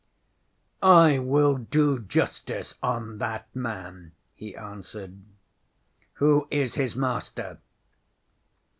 ŌĆØ ŌĆśŌĆ£I will do justice on that man, ŌĆØ he answered. ŌĆ£Who is his master?